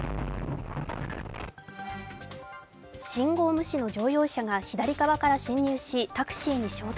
信号無視の乗用車が左側から進入し、タクシーに衝突。